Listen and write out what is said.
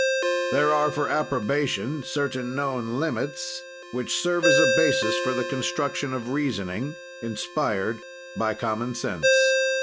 "There are, for approbation, certain known limits which serve as a basis for the construction of reasoning, inspired by common sense.